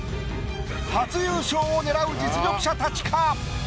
初優勝を狙う実力者たちか？